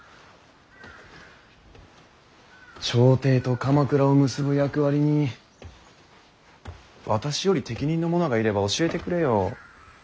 朝廷と鎌倉を結ぶ役割に私より適任の者がいれば教えてくれよ。